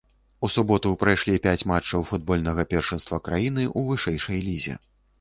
У суботу прайшлі пяць матчаў футбольнага першынства краіны ў вышэйшай лізе.